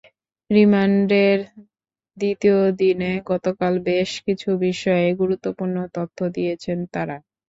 রিমান্ডের দ্বিতীয় দিনে গতকাল বেশ কিছু বিষয়ে গুরুত্বপূর্ণ তথ্য দিয়েছেন তাঁরা।